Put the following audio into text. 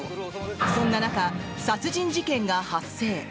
そんな中、殺人事件が発生。